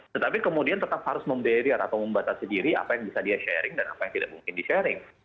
tetapi kemudian tetap harus membarrier atau membatasi diri apa yang bisa dia sharing dan apa yang tidak mungkin di sharing